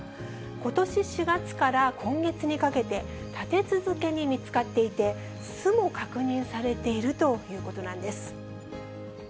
ことし４月から今月にかけて、立て続けに見つかっていて、巣も確認されているということなんです。